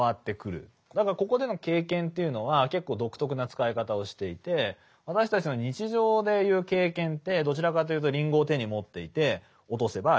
だからここでの経験というのは結構独特な使い方をしていて私たちの日常でいう経験ってどちらかというとりんごを手に持っていて落とせばりんごが落ちる。